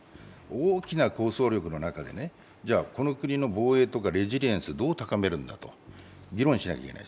大きな抗争力の中でこの国の防衛とかレジリエンスをどう高めるのか、議論しなきゃいけない。